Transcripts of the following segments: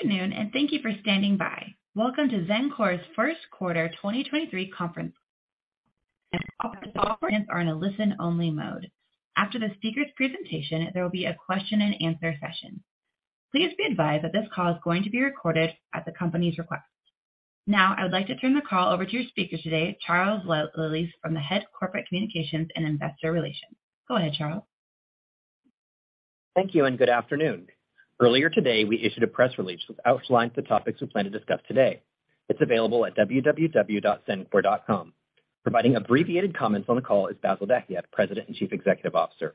Good afternoon, and thank you for standing by. Welcome to Xencor's first quarter 2023 conference. All participants are in a listen-only mode. After the speaker's presentation, there will be a question-and-answer session. Please be advised that this call is going to be recorded at the company's request. Now, I would like to turn the call over to your speaker today, Charles Liles, from the Head of Corporate Communications and Investor Relations. Go ahead, Charles. Thank you. Good afternoon. Earlier today, we issued a press release which outlines the topics we plan to discuss today. It's available at www.xencor.com. Providing abbreviated comments on the call is Bassil Dahiyat, President and Chief Executive Officer.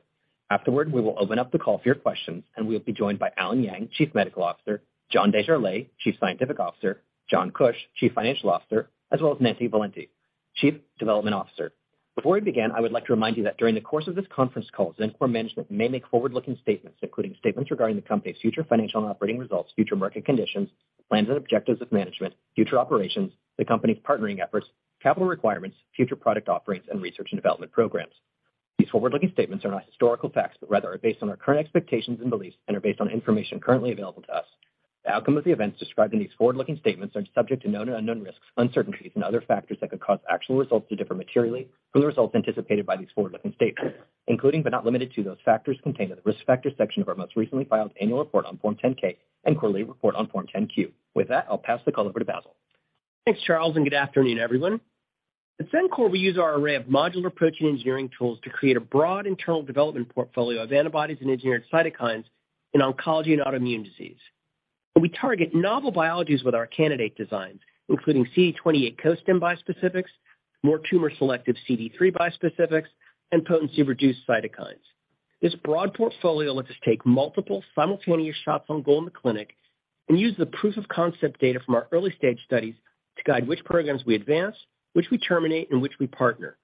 Afterward, we will open up the call for your questions. We will be joined by Allen Yang, Chief Medical Officer, John Desjarlais, Chief Scientific Officer, John Kuch, Chief Financial Officer, as well as Nancy Valente, Chief Development Officer. Before we begin, I would like to remind you that during the course of this conference call, Xencor management may make forward-looking statements, including statements regarding the Company's future financial and operating results, future market conditions, plans and objectives of management, future operations, the Company's partnering efforts, capital requirements, future product offerings, and research and development programs. These forward-looking statements are not historical facts, but rather are based on our current expectations and beliefs and are based on information currently available to us. The outcome of the events described in these forward-looking statements are subject to known and unknown risks, uncertainties, and other factors that could cause actual results to differ materially from the results anticipated by these forward-looking statements, including but not limited to those factors contained in the Risk Factors section of our most recently filed annual report on Form 10-K and quarterly report on Form 10-Q. With that, I'll pass the call over to Bassil. Thanks, Charles. Good afternoon, everyone. At Xencor, we use our array of modular protein engineering tools to create a broad internal development portfolio of antibodies and engineered cytokines in oncology and autoimmune disease. We target novel biologies with our candidate designs, including CD28 costim bispecifics, more tumor-selective CD3 bispecifics, and potency-reduced cytokines. This broad portfolio lets us take multiple simultaneous shots on goal in the clinic and use the proof of concept data from our early-stage studies to guide which programs we advance, which we terminate, and which we partner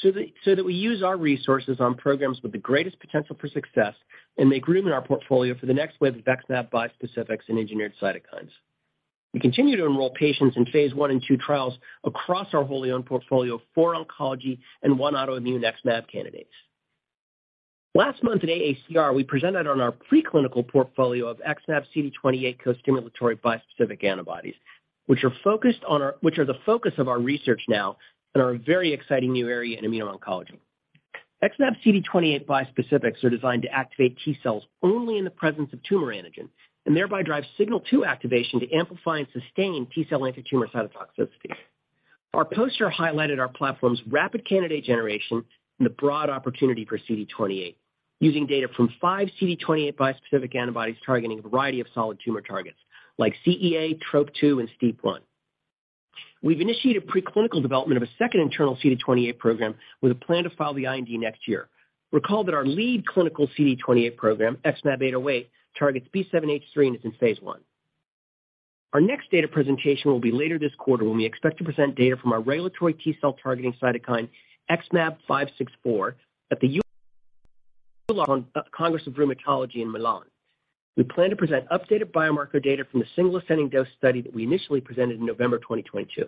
so that we use our resources on programs with the greatest potential for success and make room in our portfolio for the next wave of XmAb bispecifics and engineered cytokines. We continue to enroll patients in phase 1 and 2 trials across our wholly-owned portfolio of 4 oncology and 1 autoimmune XmAb candidates. Last month at AACR, we presented on our preclinical portfolio of XmAb CD28 costimulatory bispecific antibodies, which are the focus of our research now and are a very exciting new area in immuno-oncology. XmAb CD28 bispecifics are designed to activate T cells only in the presence of tumor antigen and thereby drive signal two activation to amplify and sustain T-cell antitumor cytotoxicity. Our poster highlighted our platform's rapid candidate generation and the broad opportunity for CD28, using data from five CD28 bispecific antibodies targeting a variety of solid tumor targets like CEA, Trop-2, and STEAP1. We've initiated preclinical development of a second internal CD28 program with a plan to file the IND next year. Recall that our lead clinical CD28 program, XmAb808, targets B7-H3 and is in phase 1. Our next data presentation will be later this quarter when we expect to present data from our regulatory T cell-targeting cytokine, XmAb564, at the EULAR Congress of Rheumatology in Milan. We plan to present updated biomarker data from the single ascending dose study that we initially presented in November 2022.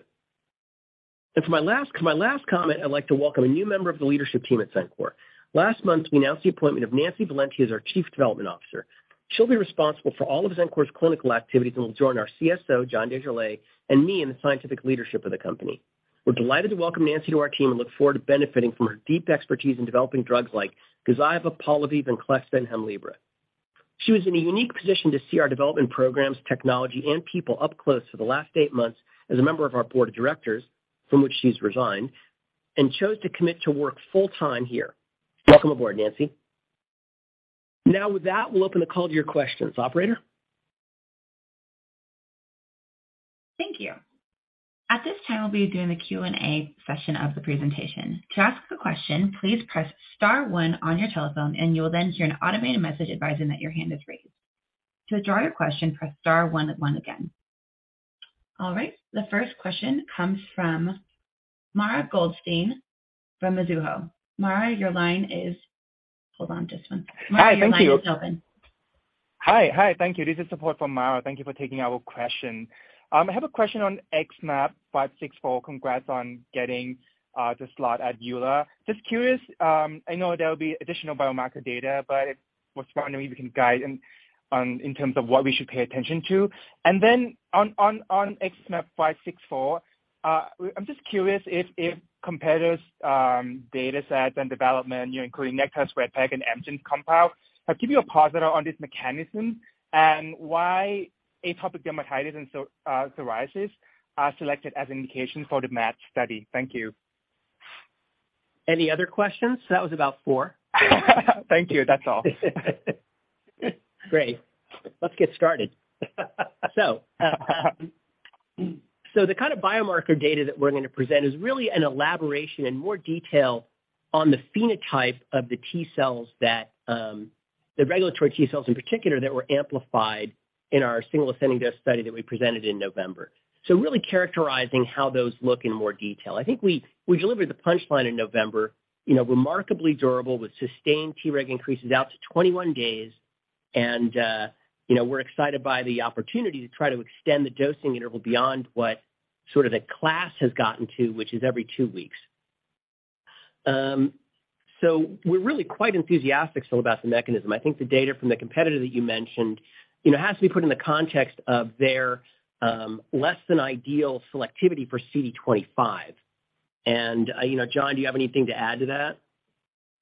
For my last comment, I'd like to welcome a new member of the leadership team at Xencor. Last month, we announced the appointment of Nancy Valente as our Chief Development Officer. She'll be responsible for all of Xencor's clinical activities and will join our CSO, John Desjarlais, and me in the scientific leadership of the company. We're delighted to welcome Nancy to our team and look forward to benefiting from her deep expertise in developing drugs like Gazyva, Polivy, and Venclexta and Hemlibra. She was in a unique position to see our development programs, technology, and people up close for the last eight months as a member of our board of directors, from which she's resigned, and chose to commit to work full-time here. Welcome aboard, Nancy. Now, with that, we'll open the call to your questions. Operator? Thank you. At this time, we'll be doing the Q&A session of the presentation. To ask a question, please press star one on your telephone, and you will then hear an automated message advising that your hand is raised. To withdraw your question, press star one one again. All right, the first question comes from Mara Goldstein from Mizuho. Mara, your line is... Hold on just one second. Hi. Thank you. Mara, your line is open. Hi. Hi. Thank you. This is support from Mara. Thank you for taking our question. I have a question on XmAb564. Congrats on getting the slot at EULAR. Just curious, I know there will be additional biomarker data, but I was wondering if you can guide in terms of what we should pay attention to. On XmAb564, I'm just curious if competitors, data sets and development, you know, including Astellas, Rezpeg, and Amgen compound, have given you a positive on this mechanism and why atopic dermatitis and so psoriasis are selected as indication for the match study. Thank you. Any other questions? That was about four. Thank you. That's all. Great. Let's get started. The kind of biomarker data that we're going to present is really an elaboration in more detail on the phenotype of the T cells that the regulatory T cells in particular that were amplified in our single ascending dose study that we presented in November. Really characterizing how those look in more detail. I think we delivered the punchline in November, you know, remarkably durable with sustained T-reg increases out to 21 days. You know, we're excited by the opportunity to try to extend the dosing interval beyond what sort of the class has gotten to, which is every 2 weeks. We're really quite enthusiastic still about the mechanism. I think the data from the competitor that you mentioned, you know, has to be put in the context of their less than ideal selectivity for CD25. You know, John, do you have anything to add to that?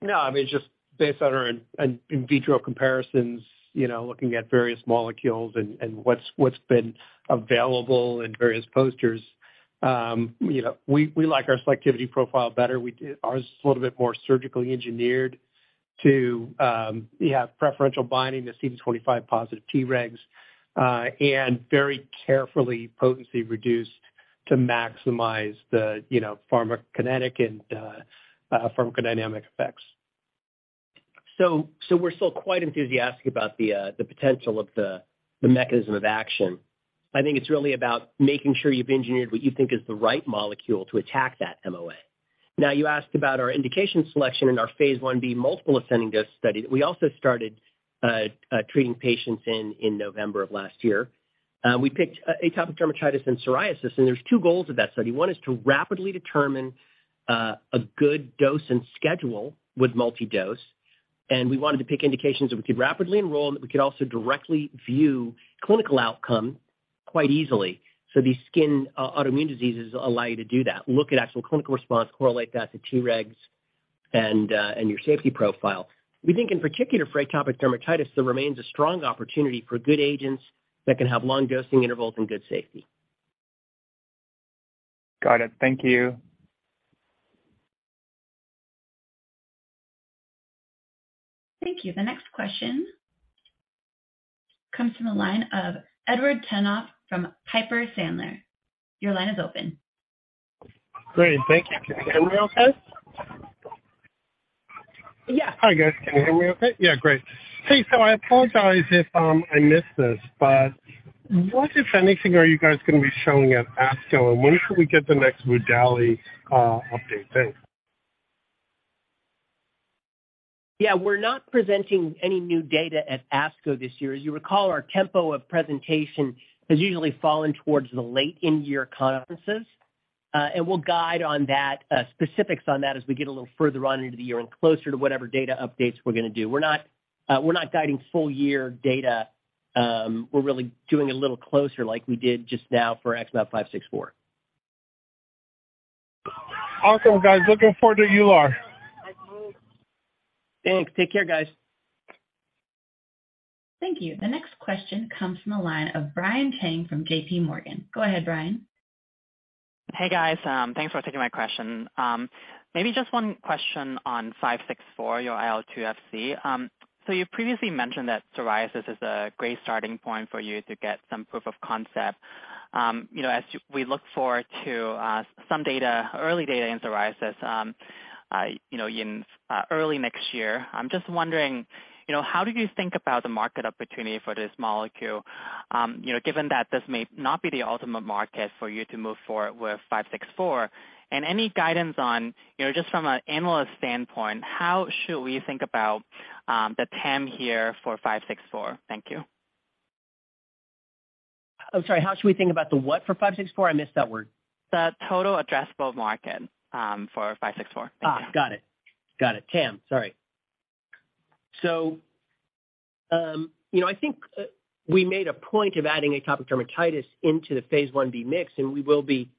No, I mean, just based on our in vitro comparisons, you know, looking at various molecules and what's been available in various posters. You know, we like our selectivity profile better. Ours is a little bit more surgically engineered to, we have preferential binding to CD25 positive Tregs and very carefully potency reduced to maximize the, you know, pharmacokinetic and pharmacodynamic effects. We're still quite enthusiastic about the potential of the mechanism of action. I think it's really about making sure you've engineered what you think is the right molecule to attack that MOA. You asked about our indication selection in our Phase 1b multiple ascending dose study that we also started treating patients in November of last year. We picked atopic dermatitis and psoriasis, and there's 2 goals of that study. One is to rapidly determine a good dose and schedule with multi-dose. We wanted to pick indications that we could rapidly enroll, and that we could also directly view clinical outcome quite easily. These skin autoimmune diseases allow you to do that, look at actual clinical response, correlate that to Tregs and your safety profile. We think in particular for atopic dermatitis, there remains a strong opportunity for good agents that can have long dosing intervals and good safety. Got it. Thank you. Thank you. The next question comes from the line of Edward Tenthoff from Piper Sandler. Your line is open. Great. Thank you. Can you hear me okay? Yeah. Hi, guys. Can you hear me okay? Yeah, great. Hey, I apologize if I missed this, but what, if anything, are you guys gonna be showing at ASCO, and when should we get the next vudalimab update? Thanks. Yeah, we're not presenting any new data at ASCO this year. As you recall, our tempo of presentation has usually fallen towards the late in-year conferences. We'll guide on that, specifics on that as we get a little further on into the year and closer to whatever data updates we're gonna do. We're not guiding full year data. We're really doing a little closer like we did just now for XmAb564. Awesome, guys. Looking forward to EULAR. Thanks. Take care, guys. Thank you. The next question comes from the line of Brian Cheng from J.P. Morgan. Go ahead, Brian. Hey, guys. Thanks for taking my question. Maybe just one question on XmAb564, your IL-2-Fc. You previously mentioned that psoriasis is a great starting point for you to get some proof of concept. You know, as we look forward to some data, early data in psoriasis, you know, in early next year. I'm just wondering, you know, how do you think about the market opportunity for this molecule, you know, given that this may not be the ultimate market for you to move forward with XmAb564? Any guidance on, you know, just from an analyst standpoint, how should we think about the TAM here for XmAb564? Thank you. I'm sorry, how should we think about the what for 564? I missed that word. The total addressable market, for XmAb564. Got it. Got it. TAM, sorry. You know, I think we made a point of adding atopic dermatitis into the phase 1b mix, and we will be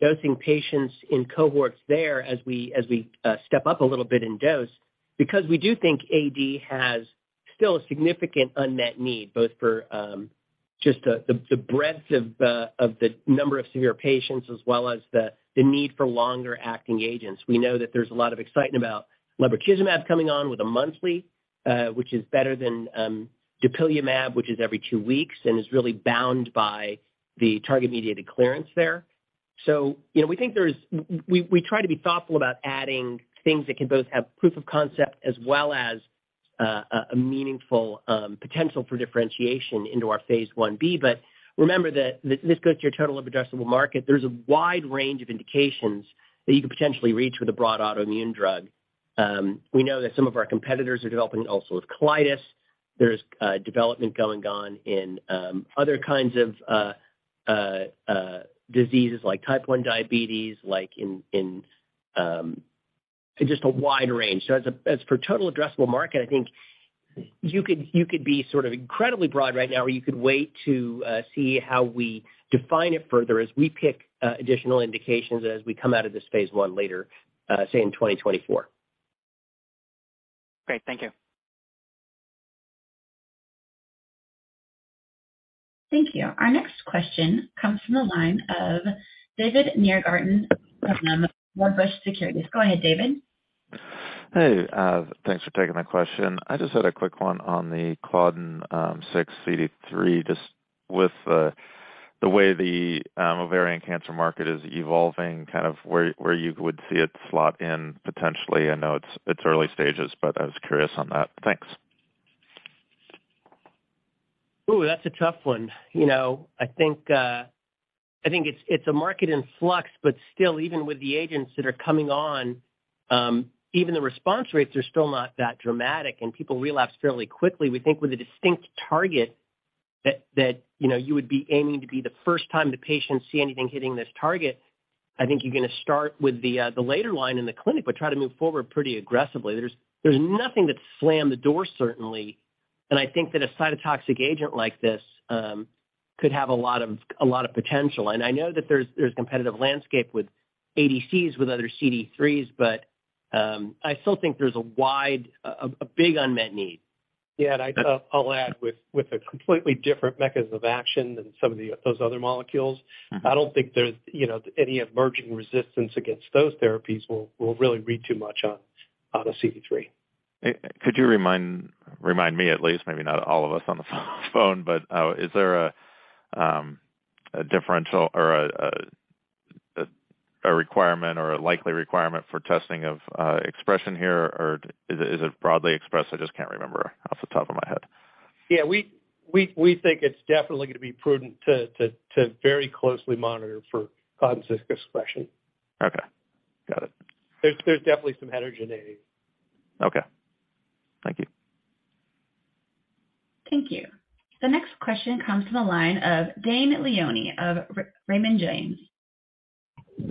dosing patients in cohorts there as we, as we step up a little bit in dose because we do think AD has still a significant unmet need, both for just the breadth of the number of severe patients as well as the need for longer acting agents. We know that there's a lot of excitement about lebrikizumab coming on with a monthly, which is better than dupilumab, which is every 2 weeks and is really bound by the target mediated clearance there. You know, we think there's We try to be thoughtful about adding things that can both have proof of concept as well as a meaningful potential for differentiation into our phase 1b. Remember that this goes to your total addressable market. There's a wide range of indications that you could potentially reach with a broad autoimmune drug. We know that some of our competitors are developing ulcerative colitis. There's development going on in other kinds of diseases like type one diabetes, like just a wide range. As for total addressable market, I think you could be sort of incredibly broad right now, or you could wait to see how we define it further as we pick additional indications as we come out of this phase 1 later, say in 2024. Great. Thank you. Thank you. Our next question comes from the line of David Nierengarten of Wedbush Securities. Go ahead, David. Hey, thanks for taking my question. I just had a quick one on the claudin-6, six CD3, just with the way the ovarian cancer market is evolving, kind of where you would see it slot in potentially. I know it's early stages, but I was curious on that. Thanks. Ooh, that's a tough one. You know, I think, I think it's a market in flux, but still, even with the agents that are coming on, even the response rates are still not that dramatic and people relapse fairly quickly. We think with a distinct target, you know, you would be aiming to be the first time the patients see anything hitting this target. I think you're gonna start with the later line in the clinic, but try to move forward pretty aggressively. There's nothing that slammed the door, certainly, and I think that a cytotoxic agent like this could have a lot of potential. I know that there's competitive landscape with ADCs, with other CD3s, but I still think there's a wide, big unmet need. Yeah. I'll add with a completely different mechanism of action than some of those other molecules. Mm-hmm. I don't think there's, you know, any emerging resistance against those therapies will really read too much on a CD3. Could you remind me at least, maybe not all of us on the phone, but, is there a differential or a requirement or a likely requirement for testing of expression here, or is it broadly expressed? I just can't remember off the top of my head. Yeah. We think it's definitely gonna be prudent to very closely monitor for consistent expression. Okay. Got it. There's definitely some heterogeneity. Okay. Thank you. Thank you. The next question comes from the line of Dane Leone of Raymond James.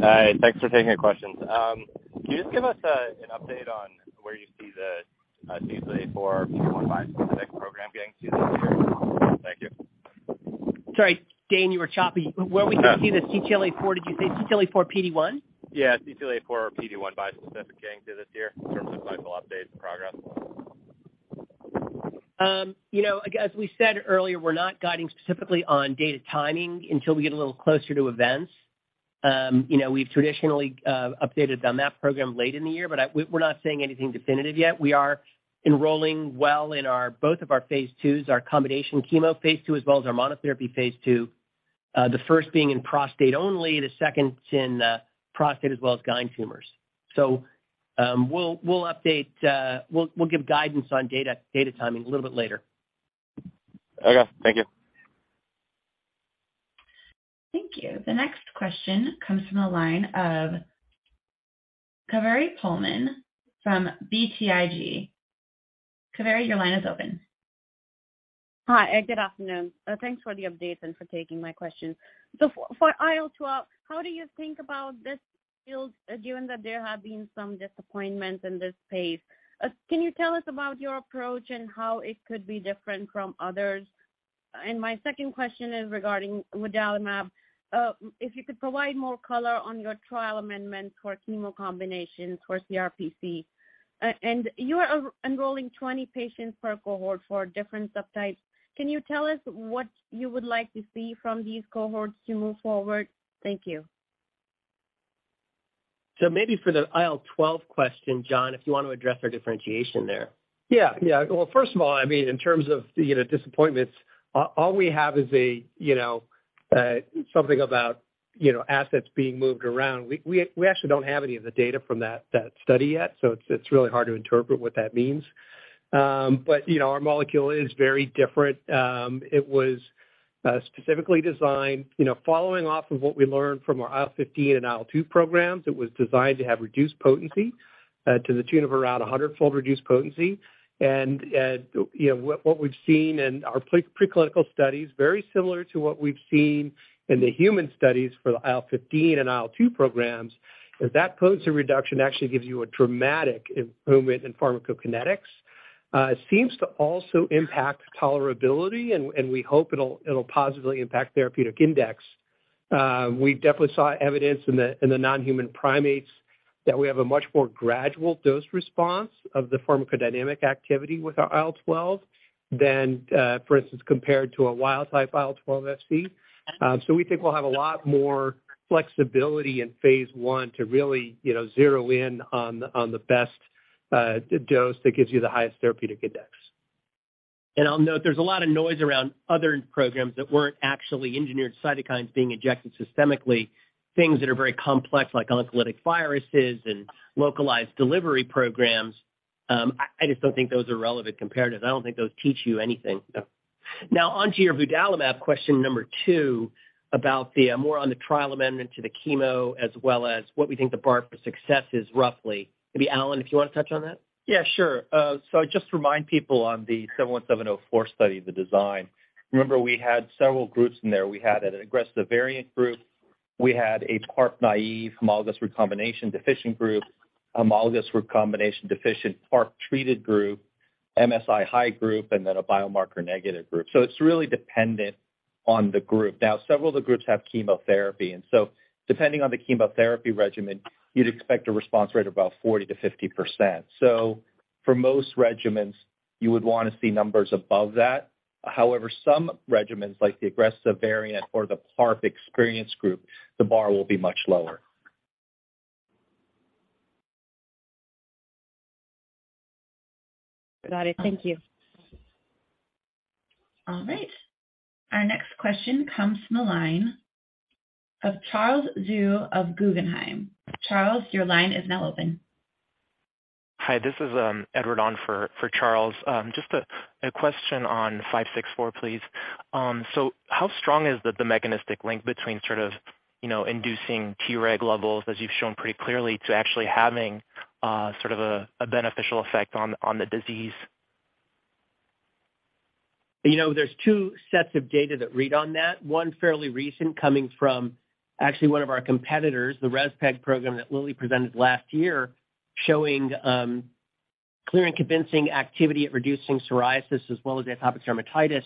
Hi. Thanks for taking the questions. Can you just give us an update on where you see the CTLA-4 program getting to this year? Thank you. Sorry, Dane, you were choppy. Where we can see the CTLA-4, did you say CTLA-4 PD-1? Yeah, CTLA-4 PD-1 bispecific getting to this year in terms of clinical updates and progress. You know, like as we said earlier, we're not guiding specifically on data timing until we get a little closer to events. You know, we've traditionally updated on that program late in the year, but we're not saying anything definitive yet. We are enrolling well in our, both of our phase 2s, our combination chemo phase 2 as well as our monotherapy phase 2. The first being in prostate only, the second in prostate as well as gyn tumors. We'll update, we'll give guidance on data timing a little bit later. Okay. Thank you. Thank you. The next question comes from the line of Kaveri Pohlman from BTIG. Kaveri, your line is open. Hi, good afternoon. Thanks for the updates and for taking my questions. For IL-12, how do you think about this field given that there have been some disappointments in this space? Can you tell us about your approach and how it could be different from others? My second question is regarding vudalimab. If you could provide more color on your trial amendment for chemo combinations for CRPC. And you are enrolling 20 patients per cohort for different subtypes. Can you tell us what you would like to see from these cohorts to move forward? Thank you. Maybe for the IL-12 question, John, if you want to address our differentiation there. Yeah. Yeah. Well, first of all, I mean in terms of, you know, disappointments, all we have is a, you know, something about, you know, assets being moved around. We actually don't have any of the data from that study yet, so it's really hard to interpret what that means. You know, our molecule is very different. It was specifically designed, you know, following off of what we learned from our IL-15 and IL-2 programs, it was designed to have reduced potency, to the tune of around a 100-fold reduced potency. You know, what we've seen in our preclinical studies, very similar to what we've seen in the human studies for the IL-15 and IL-2 programs, is that potency reduction actually gives you a dramatic improvement in pharmacokinetics. It seems to also impact tolerability and we hope it'll positively impact therapeutic index. We definitely saw evidence in the non-human primates that we have a much more gradual dose response of the pharmacodynamic activity with our IL-12 than, for instance, compared to a wild type IL-12. We think we'll have a lot more flexibility in phase 1 to really, you know, zero in on the best dose that gives you the highest therapeutic index. I'll note there's a lot of noise around other programs that weren't actually engineered cytokines being injected systemically, things that are very complex like oncolytic viruses and localized delivery programs. I just don't think those are relevant comparatives. I don't think those teach you anything, no. Now on to your vudalimab question number 2 about the more on the trial amendment to the chemo as well as what we think the bar for success is roughly. Maybe, Allen, if you wanna touch on that. Yeah, sure. Just to remind people on the 717-04 study, the design, remember we had several groups in there. We had an aggressive variant group. We had a PARP-naive homologous recombination deficient group, homologous recombination deficient PARP-treated group, MSI-H group, and then a biomarker negative group. It's really dependent on the group. Several of the groups have chemotherapy, depending on the chemotherapy regimen, you'd expect a response rate of about 40%-50%. For most regimens, you would wanna see numbers above that. However, some regimens like the aggressive variant or the PARP experience group, the bar will be much lower. Got it. Thank you. All right. Our next question comes from the line of Charles Zhu of Guggenheim. Charles, your line is now open. Hi, this is Edward on for Charles. Just a question on 564 please. How strong is the mechanistic link between. You know, inducing Treg levels, as you've shown pretty clearly, to actually having, sort of a beneficial effect on the disease. You know, there's two sets of data that read on that. One fairly recent coming from actually one of our competitors, the Rezpeg program that Lilly presented last year, showing clear and convincing activity at reducing psoriasis as well as atopic dermatitis,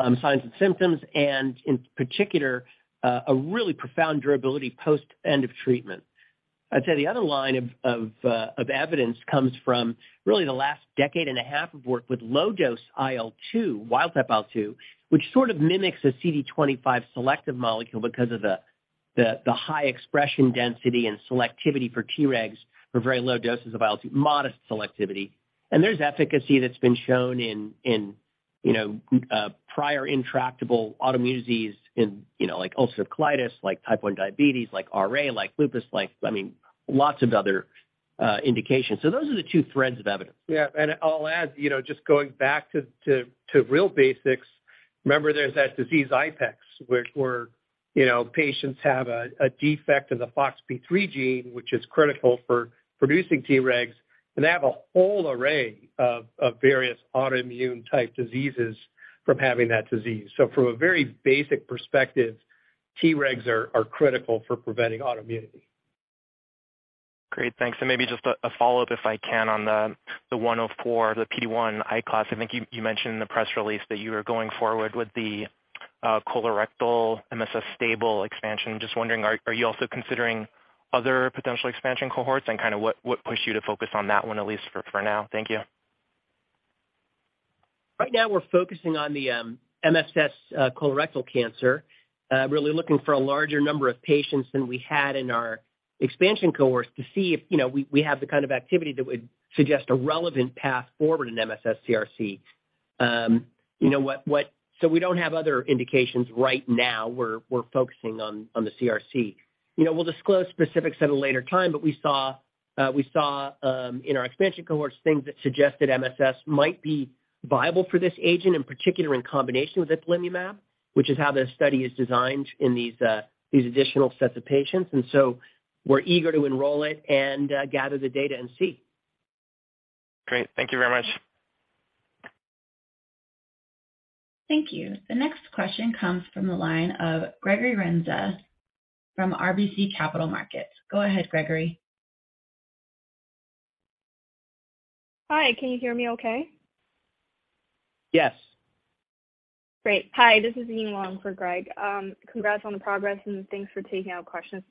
signs and symptoms and in particular, a really profound durability post end of treatment. I'd say the other line of evidence comes from really the last decade and a half of work with low dose IL-2, wild-type IL-2, which sort of mimics a CD25 selective molecule because of the high expression density and selectivity for Tregs for very low doses of IL-2, modest selectivity. There's efficacy that's been shown in, you know, prior intractable autoimmune disease in, you know, like ulcerative colitis, like type one diabetes, like RA, like lupus, like, I mean, lots of other indications. Those are the two threads of evidence. Yeah. I'll add, you know, just going back to real basics. Remember there's that disease IPEX, which where, you know, patients have a defect in the FOXP3 gene, which is critical for producing Tregs, and they have a whole array of various autoimmune type diseases from having that disease. From a very basic perspective, Tregs are critical for preventing autoimmunity. Great. Thanks. Maybe just a follow-up, if I can, on the 104, the PD-1 ICOS. I think you mentioned in the press release that you are going forward with the colorectal MSS stable expansion. Just wondering, are you also considering other potential expansion cohorts? Kinda what pushed you to focus on that one at least for now? Thank you. Right now, we're focusing on the MSS colorectal cancer, really looking for a larger number of patients than we had in our expansion cohorts to see if, you know, we have the kind of activity that would suggest a relevant path forward in MSS CRC. You know, we don't have other indications right now. We're focusing on the CRC. You know, we'll disclose specifics at a later time, but we saw in our expansion cohorts things that suggested MSS might be viable for this agent, in particular in combination with ipilimumab, which is how the study is designed in these additional sets of patients. We're eager to enroll it and gather the data and see. Great. Thank you very much. Thank you. The next question comes from the line of Gregory Renza from RBC Capital Markets. Go ahead, Gregory. Hi, can you hear me okay? Yes. Great. Hi, this is Yin Wang for Greg. congrats on the progress, and thanks for taking our questions.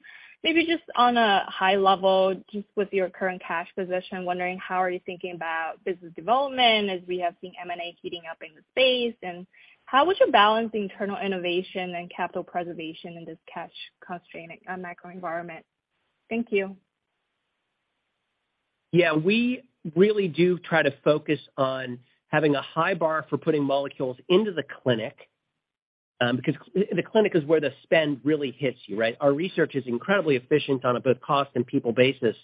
Maybe just on a high level, just with your current cash position, wondering how are you thinking about business development as we have seen M&A heating up in the space, and how would you balance internal innovation and capital preservation in this cash-constrained macro environment? Thank you. Yeah. We really do try to focus on having a high bar for putting molecules into the clinic, because the clinic is where the spend really hits you, right? Our research is incredibly efficient on a both cost and people basis,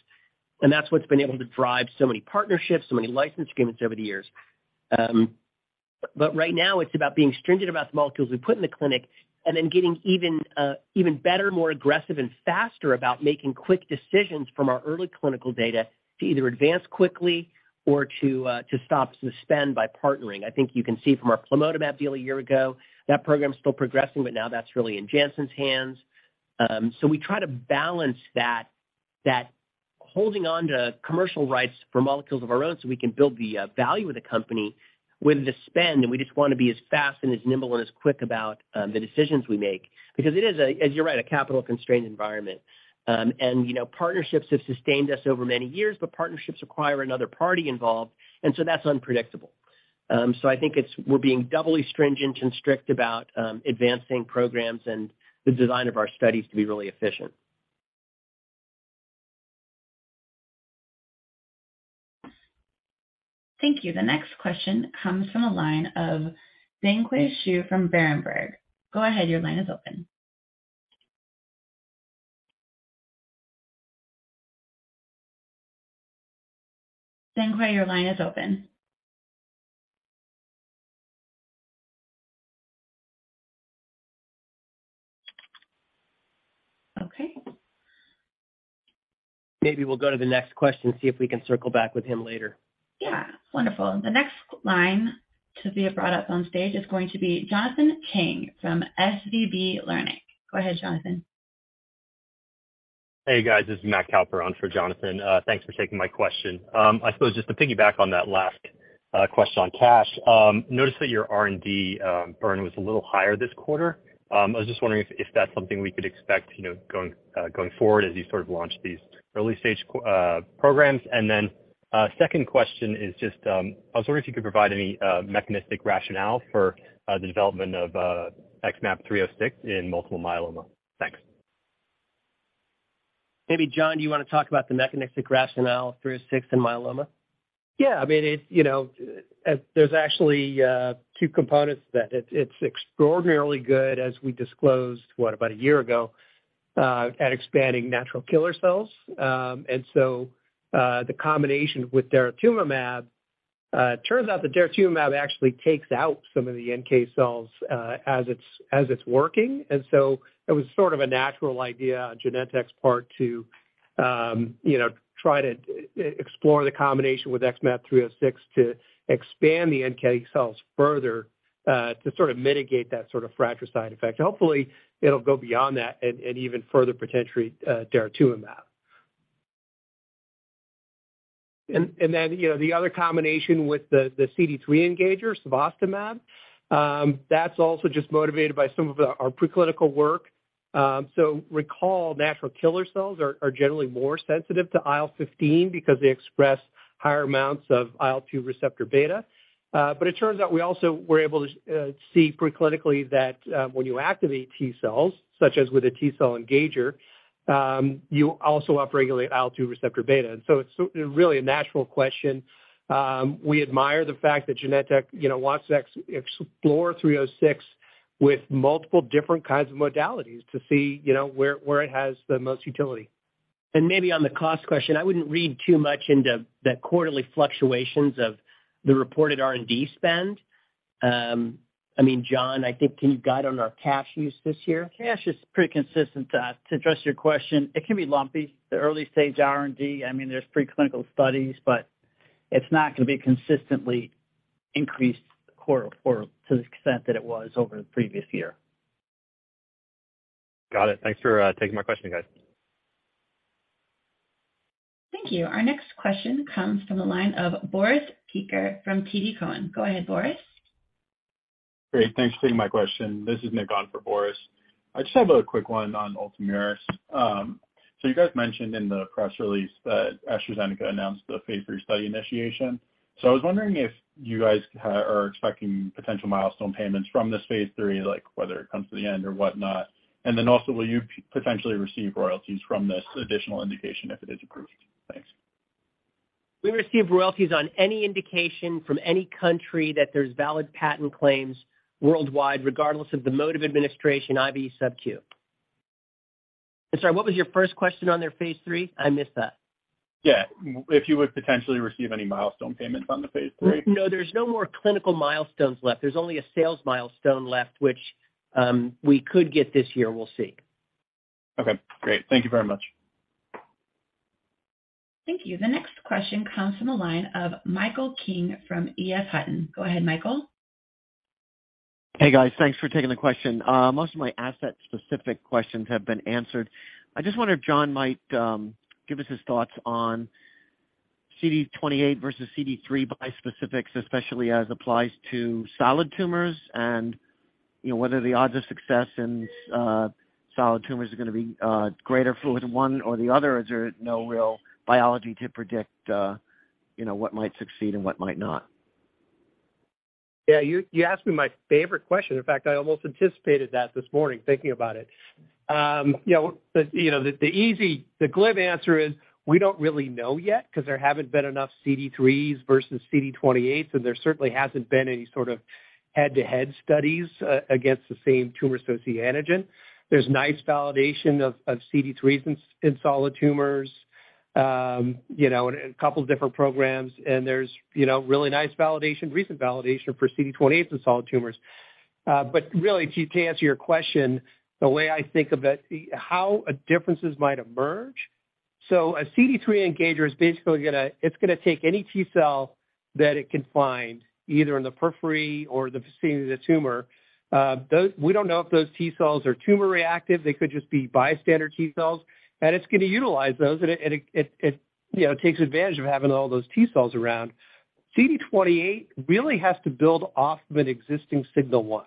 and that's what's been able to drive so many partnerships, so many license agreements over the years. Right now it's about being stringent about the molecules we put in the clinic and then getting even better, more aggressive and faster about making quick decisions from our early clinical data to either advance quickly or to stop, suspend by partnering. I think you can see from our plamotamab deal a year ago, that program's still progressing, but now that's really in Janssen hands. We try to balance that holding on to commercial rights for molecules of our own so we can build the value of the company with the spend, and we just wanna be as fast and as nimble and as quick about the decisions we make because it is a, as you're right, a capital-constrained environment. You know, partnerships have sustained us over many years, but partnerships require another party involved, and so that's unpredictable. I think it's we're being doubly stringent and strict about advancing programs and the design of our studies to be really efficient. Thank you. The next question comes from the line of Zhiqiang Shu from Berenberg. Go ahead, your line is open. Zhiqiang Shu, your line is open. Okay. Maybe we'll go to the next question, see if we can circle back with him later. Yeah. Wonderful. The next line to be brought up on stage is going to be Jonathan Chang from SVB Securities. Go ahead, Jonathan. Hey, guys. This is Matt Cowper on for Jonathan. Thanks for taking my question. I suppose just to piggyback on that last question on cash, noticed that your R&D burn was a little higher this quarter. I was just wondering if that's something we could expect, you know, going forward as you sort of launch these early-stage programs. Second question is just, I was wondering if you could provide any mechanistic rationale for the development of XmAb306 in multiple myeloma. Thanks. Maybe, John, do you wanna talk about the mechanistic rationale of 306 in myeloma? Yeah. I mean, it's... You know, there's actually two components to that. It's extraordinarily good, as we disclosed, what? About a year ago, at expanding natural killer cells. The combination with daratumumab, it turns out that daratumumab actually takes out some of the NK cells, as it's working. It was sort of a natural idea on Genentech's part to, you know, try to explore the combination with XmAb306 to expand the NK cells further, to sort of mitigate that sort of fratricide effect. Hopefully, it'll go beyond that and even further potentially, daratumumab. You know, the other combination with the CD3 engager cevostamab, that's also just motivated by some of our preclinical work. Recall natural killer cells are generally more sensitive to IL-15 because they express higher amounts of IL-2 receptor beta. It turns out we also were able to see preclinically that when you activate T cells, such as with a T cell engager, you also upregulate IL-2 receptor beta. It's really a natural question. We admire the fact that Genentech, you know, wants to explore three oh six with multiple different kinds of modalities to see, you know, where it has the most utility. Maybe on the cost question, I wouldn't read too much into the quarterly fluctuations of the reported R&D spend. I mean, John, I think can you guide on our cash use this year? Cash is pretty consistent. To address your question, it can be lumpy. The early-stage R&D, I mean, there's preclinical studies, but it's not gonna be consistently increased quarter-for to the extent that it was over the previous year. Got it. Thanks for taking my question, guys. Thank you. Our next question comes from the line of Boris Peaker from TD Cowen. Go ahead, Boris. Great. Thanks for taking my question. This is Nick on for Boris. I just have a quick one on Ultomiris. You guys mentioned in the press release that AstraZeneca announced the phase 3 study initiation. I was wondering if you guys are expecting potential milestone payments from this phase 3, like whether it comes to the end or whatnot. Will you potentially receive royalties from this additional indication if it is approved? Thanks. We receive royalties on any indication from any country that there's valid patent claims worldwide, regardless of the mode of administration, IV subQ. I'm sorry, what was your first question on their phase 3? I missed that. Yeah. If you would potentially receive any milestone payments on the phase 3. No, there's no more clinical milestones left. There's only a sales milestone left, which, we could get this year. We'll see. Okay, great. Thank you very much. Thank you. The next question comes from the line of Michael King from EF Hutton. Go ahead, Michael. Hey, guys. Thanks for taking the question. Most of my asset-specific questions have been answered. I just wonder if John might give us his thoughts on CD28 versus CD3 bispecifics, especially as applies to solid tumors, and, you know, whether the odds of success in solid tumors are gonna be greater for one or the other, or is there no real biology to predict, you know, what might succeed and what might not? You asked me my favorite question. In fact, I almost anticipated that this morning, thinking about it. You know, the easy, the glib answer is we don't really know yet 'cause there haven't been enough CD3s versus CD28, so there certainly hasn't been any sort of head-to-head studies against the same tumor-associated antigen. There's nice validation of CD3s in solid tumors, you know, and a couple different programs, and there's really nice validation, recent validation for CD28 in solid tumors. Really, to answer your question, the way I think of it, how differences might emerge. A CD3 engager is basically gonna take any T cell that it can find, either in the periphery or the vicinity of the tumor. We don't know if those T cells are tumor-reactive. They could just be bystander T cells, and it's gonna utilize those, and it, you know, takes advantage of having all those T cells around. CD28 really has to build off of an existing signal one.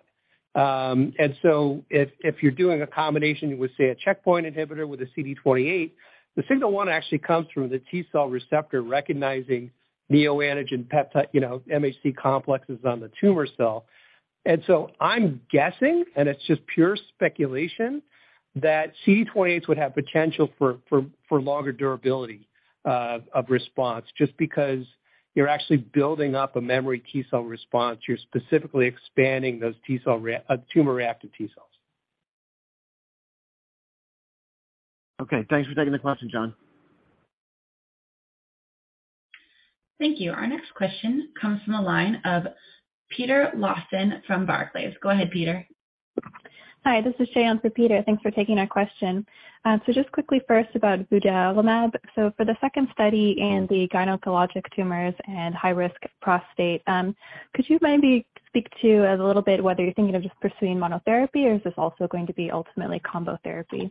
If you're doing a combination with, say, a checkpoint inhibitor with a CD28, the signal one actually comes from the T cell receptor recognizing neoantigen peptide, you know, MHC complexes on the tumor cell. I'm guessing, and it's just pure speculation, that CD28s would have potential for longer durability of response, just because you're actually building up a memory T cell response. You're specifically expanding those tumor-reactive T cells. Okay, thanks for taking the question, John. Thank you. Our next question comes from the line of Peter Lawson from Barclays. Go ahead, Peter. Hi, this is Shayon for Peter. Thanks for taking our question. Just quickly first about vudalimab. For the second study in the gynecologic tumors and high-risk prostate, could you maybe speak to a little bit whether you're thinking of just pursuing monotherapy, or is this also going to be ultimately combo therapy?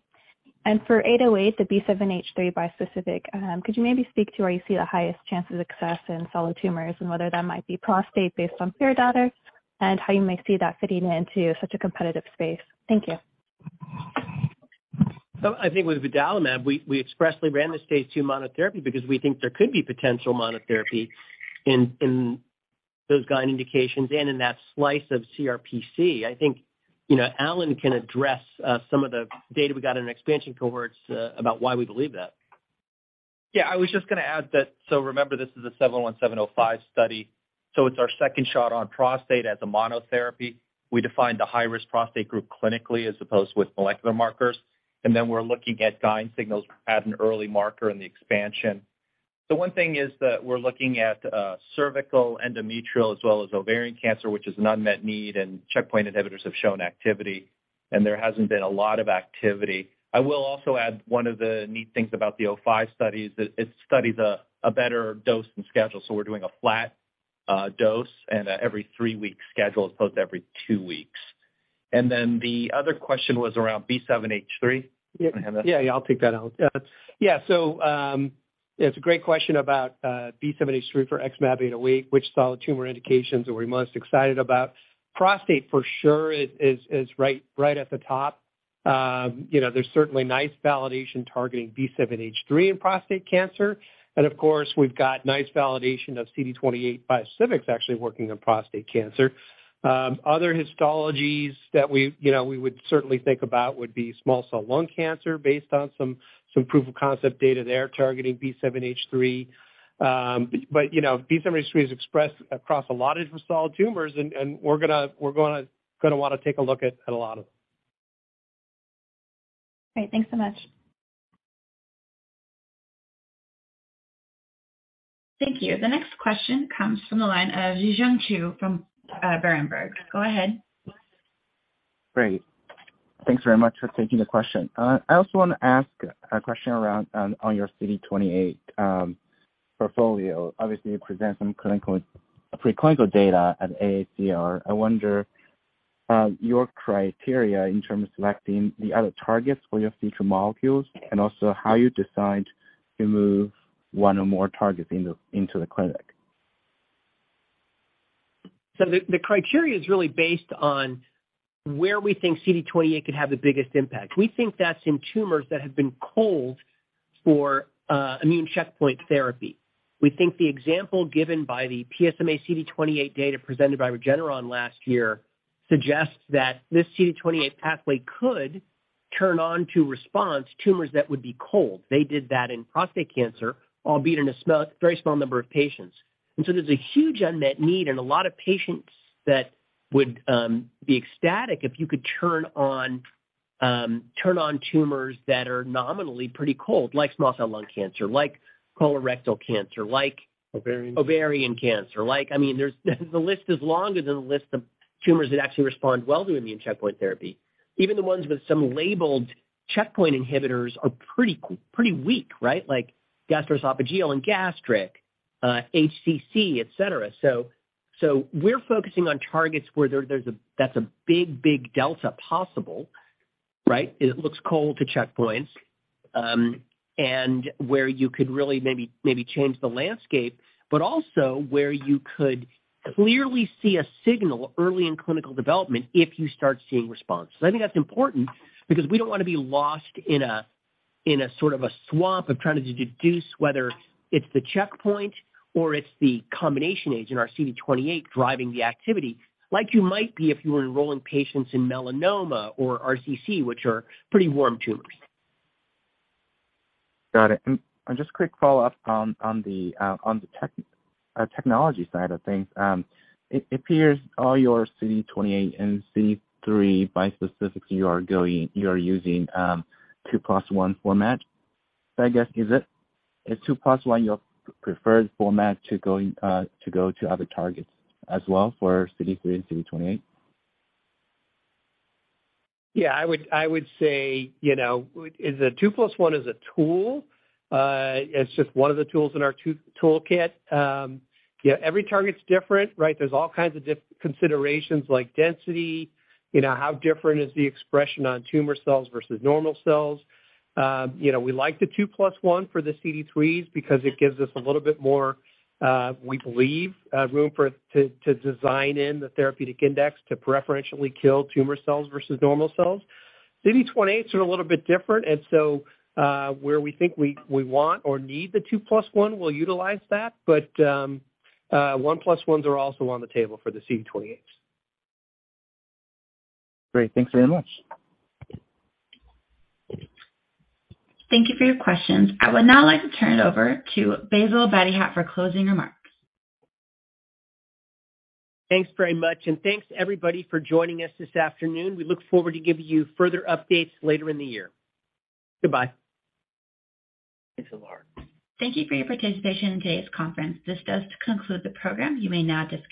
For 808, the B7-H3 bispecific, could you maybe speak to where you see the highest chance of success in solid tumors and whether that might be prostate based on prior data and how you might see that fitting into such a competitive space? Thank you. I think with vudalimab, we expressly ran the phase 2 monotherapy because we think there could be potential monotherapy in those GYN indications and in that slice of CRPC. I think, you know, Allen can address some of the data we got in expansion cohorts about why we believe that. Yeah, I was just gonna add that, so remember this is a XmAb717-05 study, so it's our second shot on prostate as a monotherapy. We defined the high-risk prostate group clinically as opposed with molecular markers. We're looking at GYN signals as an early marker in the expansion. One thing is that we're looking at cervical endometrial as well as ovarian cancer, which is an unmet need, and checkpoint inhibitors have shown activity, and there hasn't been a lot of activity. I will also add one of the neat things about the XmAb717-05 study is that it studies a better dose and schedule. We're doing a flat dose and a every 3-week schedule, as opposed to every 2 weeks. The other question was around B7-H3. You wanna have that? Yeah. Yeah, I'll take that, Allen. Yeah, so, it's a great question about B7-H3 for XmAb in a week, which solid tumor indications are we most excited about? Prostate for sure is right at the top. You know, there's certainly nice validation targeting B7-H3 in prostate cancer. Of course, we've got nice validation of CD28 bispecifics actually working in prostate cancer. Other histologies that we, you know, we would certainly think about would be small cell lung cancer based on some proof of concept data there targeting B7-H3. You know, B7-H3 is expressed across a lot of solid tumors and we're gonna wanna take a look at a lot of them. Great. Thanks so much. Thank you. The next question comes from the line of Zhiqiang Shu from Berenberg. Go ahead. Great. Thanks very much for taking the question. I also wanna ask a question on your CD28 portfolio. Obviously you present some preclinical data at AACR. I wonder your criteria in terms of selecting the other targets for your future molecules, and also how you decide to move one or more targets into the clinic. The criteria is really based on where we think CD28 could have the biggest impact. We think that's in tumors that have been cold for immune checkpoint therapy. We think the example given by the PSMA CD28 data presented by Regeneron last year suggests that this CD28 pathway could turn on to response tumors that would be cold. They did that in prostate cancer, albeit in a small, very small number of patients. There's a huge unmet need and a lot of patients that would be ecstatic if you could turn on turn on tumors that are nominally pretty cold, like small cell lung cancer, like colorectal cancer. Ovarian cancer. Ovarian cancer. Like, I mean, there's. The list is longer than the list of tumors that actually respond well to immune checkpoint therapy. Even the ones with some labeled checkpoint inhibitors are pretty weak, right? Like gastroesophageal and gastric, HCC, et cetera. we're focusing on targets where there's a big delta possible, right? It looks cold to checkpoints, and where you could really maybe change the landscape, but also where you could clearly see a signal early in clinical development if you start seeing response. I think that's important because we don't wanna be lost in a sort of a swamp of trying to deduce whether it's the checkpoint or it's the combination agent, our CD28 driving the activity, like you might be if you were enrolling patients in melanoma or RCC, which are pretty warm tumors. Got it. Just quick follow-up on the technology side of things. It appears all your CD28 and CD3 bispecifics you are using 2 plus 1 format. I guess, Is 2 plus 1 your preferred format to go to other targets as well for CD3, CD28? Yeah, I would say, you know, is the 2 plus 1 is a tool. It's just one of the tools in our toolkit. Yeah, every target's different, right? There's all kinds of considerations like density. You know, how different is the expression on tumor cells versus normal cells? You know, we like the 2 plus 1 for the CD3s because it gives us a little bit more, we believe, room to design in the therapeutic index to preferentially kill tumor cells versus normal cells. CD28s are a little bit different. Where we think we want or need the 2 plus 1, we'll utilize that. 1 plus 1s are also on the table for the CD28s. Great. Thanks very much. Thank you for your questions. I would now like to turn it over to Bassil Dahiyat for closing remarks. Thanks very much, and thanks everybody for joining us this afternoon. We look forward to giving you further updates later in the year. Goodbye. Thanks a lot. Thank you for your participation in today's conference. This does conclude the program. You may now disconnect.